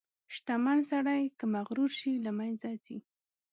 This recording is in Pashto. • شتمن سړی که مغرور شي، له منځه ځي.